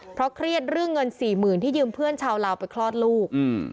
เพราะเครียดเรื่องเงินสี่หมื่นที่ยืมเพื่อนชาวลาวไปคลอดลูก